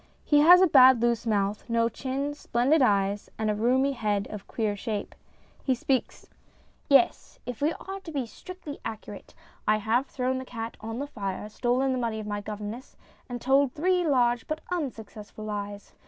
He has a bad loose mouth, no chin, splendid eyes, and a roomy head of queer shape. He speaks : YES, if we are to be strictly accurate, I have thrown the cat on the fire, stolen the money of my governess, and told three large but unsuccessful lies.